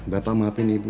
bapak maafin ibu